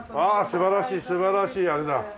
素晴らしい素晴らしいあれだ。